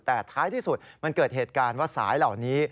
แต่ท้ายที่สุดมันเกิดเหตุการณ์ว่าสายเหล่านี้